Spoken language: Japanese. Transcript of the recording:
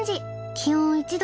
気温１度。